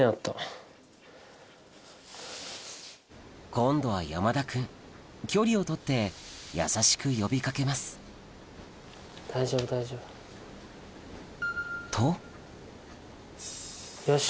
今度は山田君距離を取って優しく呼び掛けますとよし。